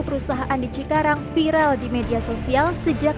perusahaan di cikarang viral di media sosial sejak